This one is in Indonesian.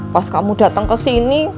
pas kamu datang kesini